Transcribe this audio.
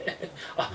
あっ。